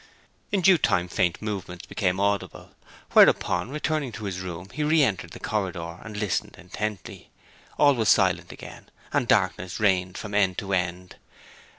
In due time faint movements became audible; whereupon, returning to his room, he re entered the corridor and listened intently. All was silent again, and darkness reigned from end to end.